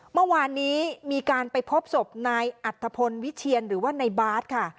เมื่อวานนี้มีการไปพบศพนายอัตภพลวิเชียนหรือว่านายบาทค่ะ